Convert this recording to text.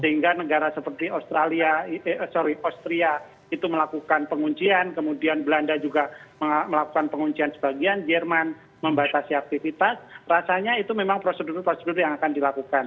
sehingga negara seperti austria itu melakukan penguncian kemudian belanda juga melakukan penguncian sebagian jerman membatasi aktivitas rasanya itu memang prosedur prosedur yang akan dilakukan